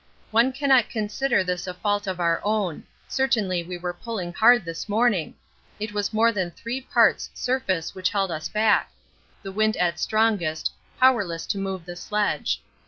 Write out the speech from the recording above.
One cannot consider this a fault of our own certainly we were pulling hard this morning it was more than three parts surface which held us back the wind at strongest, powerless to move the sledge.